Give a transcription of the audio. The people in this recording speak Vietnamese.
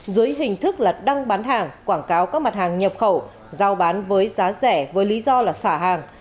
dưới hình thức là đăng bán hàng quảng cáo các mặt hàng nhập khẩu giao bán với giá rẻ với lý do là xả hàng